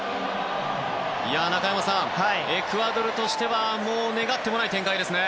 中山さん、エクアドルとしては願ってもない展開ですね。